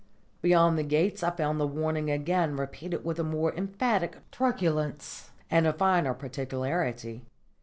Beyond the gates I found the warning again repeated with a more emphatic truculence and a finer particularity.